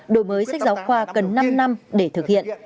đổi mới sách giáo khoa cần năm năm để thực hiện